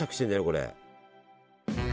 これ。